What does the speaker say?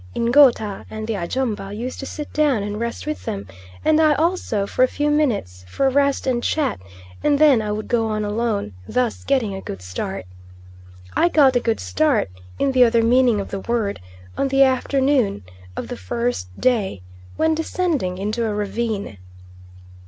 Ngouta and the Ajumba used to sit down, and rest with them, and I also, for a few minutes, for a rest and chat, and then I would go on alone, thus getting a good start. I got a good start, in the other meaning of the word, on the afternoon of the first day when descending into a ravine.